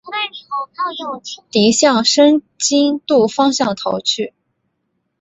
敌向申津渡方向逃去。